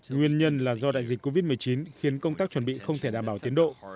nguyên nhân là do đại dịch covid một mươi chín khiến công tác chuẩn bị không thể đảm bảo tiến độ